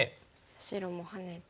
白もハネて。